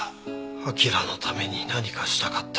アキラのために何かしたかった。